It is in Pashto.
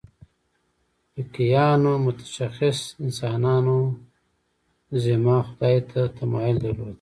فقیهانو متشخص انسانوزمه خدای ته تمایل درلود.